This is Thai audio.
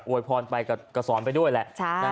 วยพรไปก็สอนไปด้วยแหละ